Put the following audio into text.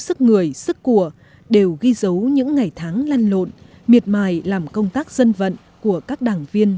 đẩy sức của đều ghi dấu những ngày tháng lan lộn miệt mài làm công tác dân vận của các đảng viên